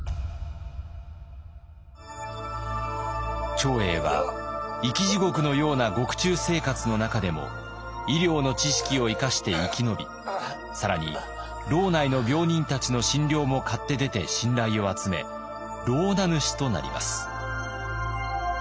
長英は生き地獄のような獄中生活の中でも医療の知識を生かして生き延び更に牢内の病人たちの診療も買って出て信頼を集め牢名主となります。